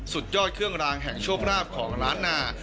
สุดยอดเครื่องรางแห่งโชคราบของล้านนา